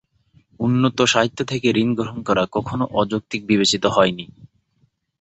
উন্নত সাহিত্য থেকে ঋণ গ্রহণ করা কখনো অযৌক্তিক বিবেচিত হয়নি।